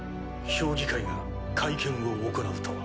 評議会が会見を行うと。